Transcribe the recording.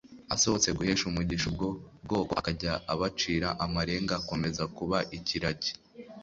Asohotse guhesha umugisha ubwo bwoko " Akajya abacira amarenga, akomeza kuba ikiragi."